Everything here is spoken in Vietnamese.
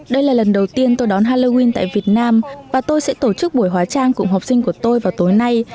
đây là lần đầu tiên tôi đón halloween tại việt nam và tôi sẽ tổ chức buổi hóa trang cùng học sinh của tôi vào tối nay